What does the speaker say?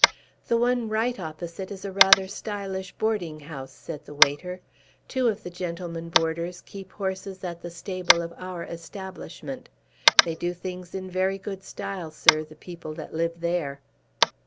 "The one right opposite is a rather stylish boarding house," said the waiter. "Two of the gentlemen boarders keep horses at the stable of our establishment. They do things in very good style, sir, the people that live there."